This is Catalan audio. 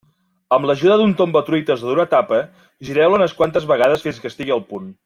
Amb l'ajuda d'un tombatruites o d'una tapa, gireu-la unes quantes vegades fins que estigui al punt.